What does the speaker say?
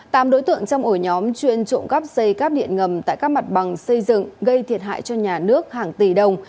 tám đối tượng trong ổ nhóm chuyên trộm cắp dây cắp điện ngầm tại các mặt bằng xây dựng gây thiệt hại cho nhà nước hàng tỷ đồng